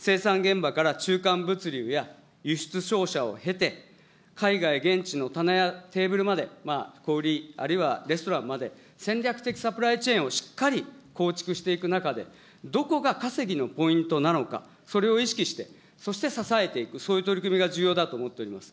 生産現場から中間物流や輸出商社を経て、海外現地の棚やテーブルまで、小売り、あるいはレストランまで、戦略的サプライチェーンをしっかり構築していく中で、どこが稼ぎのポイントなのか、それを意識して、そして支えていく、そういう取り組みが重要だと思っております。